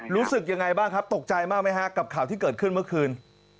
รู้สึกยังไงบ้างครับตกใจมากไหมฮะกับข่าวที่เกิดขึ้นเมื่อคืน